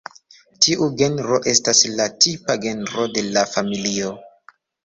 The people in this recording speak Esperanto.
Tiu genro estas la tipa genro de la familio.